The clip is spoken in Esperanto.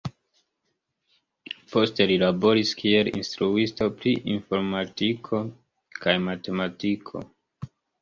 Poste li laboris kiel instruisto pri informadiko kaj matematiko.